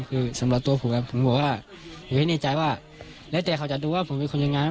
คือสำหรับตัวผมผมบอกว่าผมให้แน่ใจว่าแล้วแต่เขาจะดูว่าผมเป็นคนยังไง